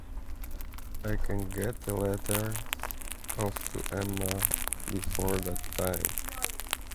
I can get a letter off to Emma before that time.